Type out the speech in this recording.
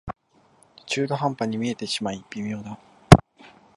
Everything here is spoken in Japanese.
中途半端に見えてしまい微妙だ